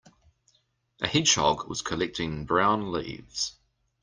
A hedgehog was collecting brown leaves.